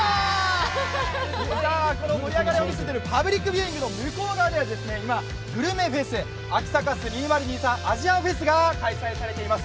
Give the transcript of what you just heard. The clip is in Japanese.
この盛り上がりを見せているパプリックビューイングの向こう側では今、グルメフェス・秋サカス２０２３アジアンフェスが開催されています。